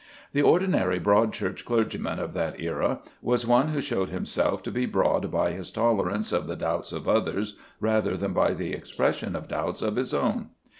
The ordinary Broad Church clergyman of that era was one who showed himself to be broad by his tolerance of the doubts of others, rather than by the expression of doubts of his own.